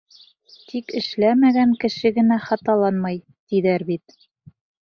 Тик эшләмәгән кеше генә хаталанмай, тиҙәр бит.